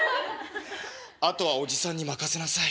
あとはおじさんに任せなさい。